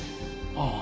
ああ。